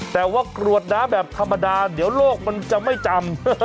แต่ว่ากรวดน้ำแบบธรรมดาเดี๋ยวโลกมันจะไม่จำ